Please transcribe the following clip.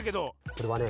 これはね